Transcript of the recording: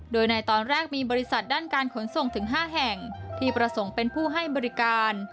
โดยในตอนแรกมีบริษัทด้านการขนส่งถึง๕แห่งที่ประสงค์เป็นผู้ให้บริการ